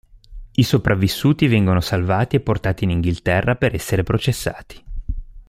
I sopravvissuti vengono salvati e portati in Inghilterra per essere processati.